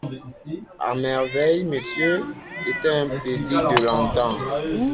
À merveille, monsieur ; c’était un plaisir de l’entendre.